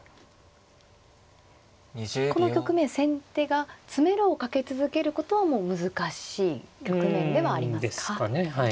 この局面先手が詰めろをかけ続けることはもう難しい局面ではありますか。ですかねはい。